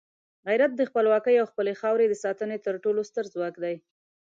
غیرت د خپلواکۍ او خپلې خاورې د ساتنې تر ټولو ستر ځواک دی.